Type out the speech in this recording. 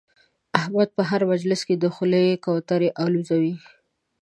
احمد په هر مجلس کې د خولې کوترې اولوزوي.